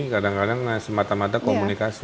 kadang kadang semata mata komunikasi